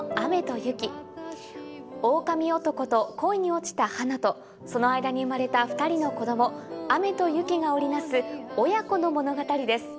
おおかみおとこと恋に落ちた花とその間に生まれた２人の子供雨と雪が織り成す親子の物語です。